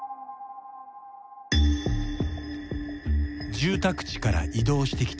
住宅地から移動してきた